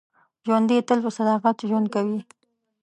ژوندي تل په صداقت ژوند کوي